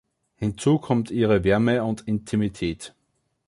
Hinzu kommt ihre Wärme und Intimität.